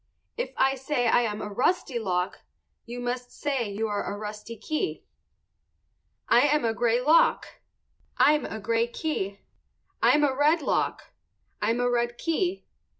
If I say I am a rusty lock you must say you are a rusty key. I am a gray lock. I'm a gray key. I'm a red lock. _I'm a red key.